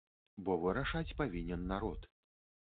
Бо вырашаць павінен народ.